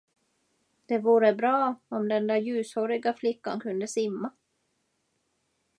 Det vore bra, om den där ljushåriga flickan kunde simma.